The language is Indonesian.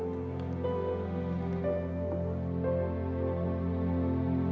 saat ini bukannya muka gua